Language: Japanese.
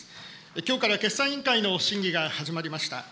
きょうから決算委員会の審議が始まりました。